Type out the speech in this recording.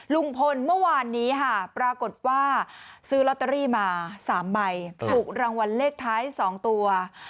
เมื่อวานนี้ค่ะปรากฏว่าซื้อลอตเตอรี่มา๓ใบถูกรางวัลเลขท้าย๒ตัว